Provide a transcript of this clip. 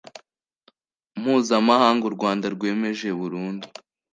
Mpuzamahanga u rwanda rwemeje burundu